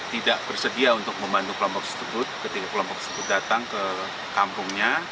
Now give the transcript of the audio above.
tidak bersedia untuk membantu kelompok setegut ketika kelompok setegut datang ke kampungnya